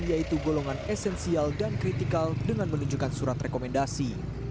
yaitu golongan esensial dan kritikal dengan menunjukkan surat rekomendasi